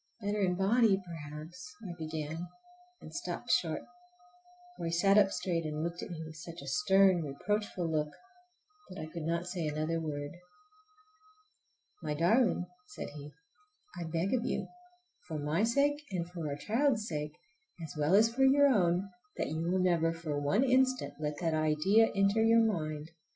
"Better in body perhaps"—I began, and stopped short, for he sat up straight and looked at me with such a stern, reproachful look that I could not say another word. "My darling," said he, "I beg of you, for my sake and for our child's sake, as well as for your own, that you will never for one instant let that idea enter your mind!